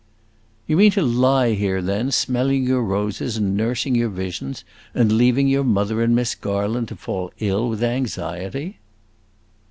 "You mean to lie here, then, smelling your roses and nursing your visions, and leaving your mother and Miss Garland to fall ill with anxiety?"